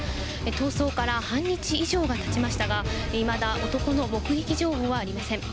逃走から半日以上がたちましたがいまだ男の目撃情報はありません。